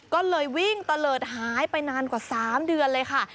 ก็เลยวิ่งตะเลิศหายไปนานกว่า๓เดือนเลยค่ะ